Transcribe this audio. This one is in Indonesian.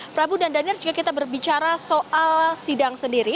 prabu dan daniar jika kita berbicara soal sidang sendiri